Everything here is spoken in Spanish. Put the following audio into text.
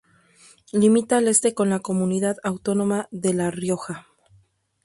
Limita al este con la comunidad autónoma de La Rioja.